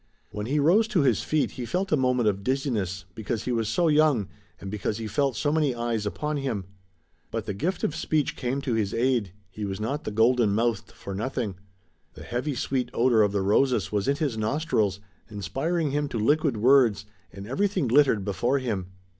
When he rose to his feet he felt a moment of dizziness, because he was so young, and because he felt so many eyes upon him. But the gift of speech came to his aid he was not the golden mouthed for nothing. The heavy sweet odor of the roses was in his nostrils, inspiring him to liquid words, and everything glittered before him.